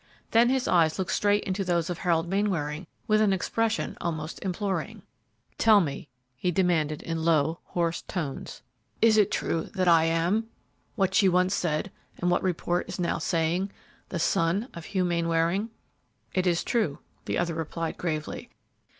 Then his eyes looked straight into those of Harold Mainwaring with an expression almost imploring. "Tell me," he demanded in low, hoarse tones, "is it true that I am what she once said and what report is now saying the son of Hugh Mainwaring?" "It is true," the other replied, gravely.